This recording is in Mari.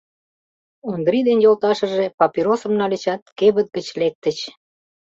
Ондрий ден йолташыже папиросым нальычат, кевыт гыч лектыч.